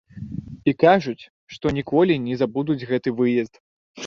І кажуць, што ніколі не забудуць гэты выезд.